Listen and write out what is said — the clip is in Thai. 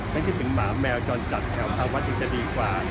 ฉันคิดถึงหมาแมวจอนจัดแถวพระวัตรอีกจะดีกว่า